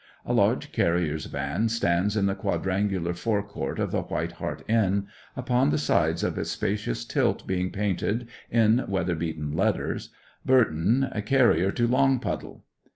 A large carrier's van stands in the quadrangular fore court of the White Hart Inn, upon the sides of its spacious tilt being painted, in weather beaten letters: 'Burthen, Carrier to Longpuddle.